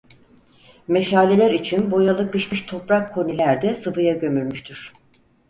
Meşaleler için boyalı pişmiş toprak koniler de sıvaya gömülmüştür.